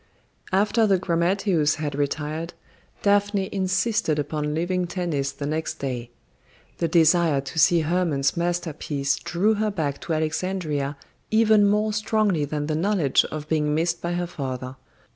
After the grammateus had retired, Daphne insisted upon leaving Tennis the next day. The desire to see Hermon's masterpiece drew her back to Alexandria even more strongly than the knowledge of being missed by her father.